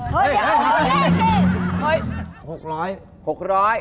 ๖๐๐ไป